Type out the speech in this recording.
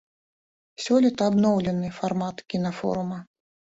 Сёлета абноўлены фармат кінафорума.